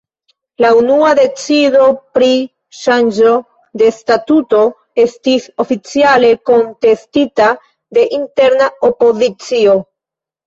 La unua decido pri ŝanĝo de statuto estis oficiale kontestita de interna opozicio.